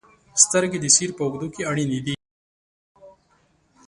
• سترګې د سیر په اوږدو کې اړینې دي.